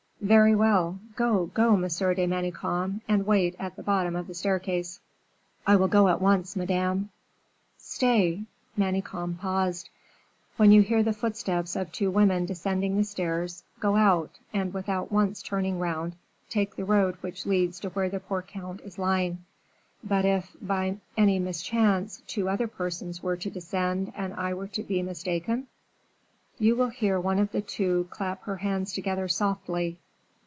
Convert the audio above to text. "Very well. Go, go, Monsieur de Manicamp, and wait at the bottom of the staircase." "I go at once, Madame." "Stay." Manicamp paused. "When you hear the footsteps of two women descending the stairs, go out, and, without once turning round, take the road which leads to where the poor count is lying." "But if, by any mischance, two other persons were to descend, and I were to be mistaken?" "You will hear one of the two clap her hands together softly.